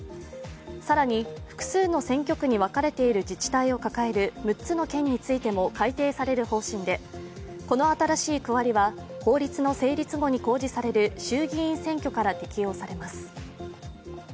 更に、複数の選挙区に分かれている自治体を抱える６つの県についても改定される方針でこの新しい区割りは、法律の成立後に公示される衆議院選挙から適用されます。